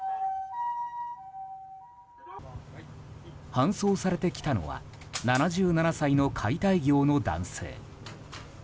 搬送されてきたのは７７歳の解体業の男性。